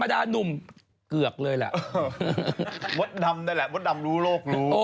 มาสดับได้ม่อนดำด์รู้โลคงง